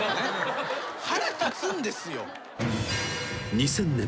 ［２０００年。